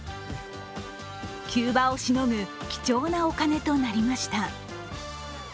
急場をしのぐ、貴重なお金となりました。